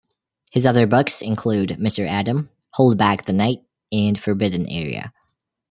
His other books include "Mr. Adam", "Hold Back the Night", and "Forbidden Area".